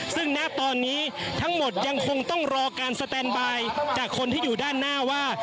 ซึ่งณตอนนี้ทั้งหมดยังคงต้องรอการสแตนบายจากคนที่อยู่ด้านหน้าว่า